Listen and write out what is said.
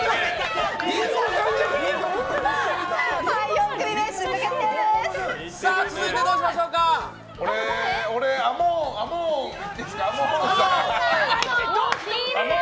４組目、決定です。